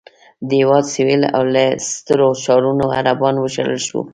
د هېواد سوېل له سترو ښارونو عربان وشړل شول.